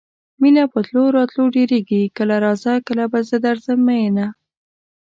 مینه په تلو راتلو ډیریږي کله راځه کله به زه درځم میینه